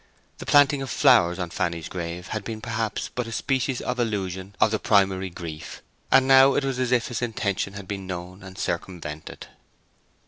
The planting of flowers on Fanny's grave had been perhaps but a species of elusion of the primary grief, and now it was as if his intention had been known and circumvented.